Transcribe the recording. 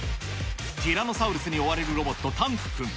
ティラノサウルスに追われるロボット、タンクくん。